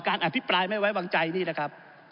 อภิปรายไม่ไว้วางใจนี่นะครับ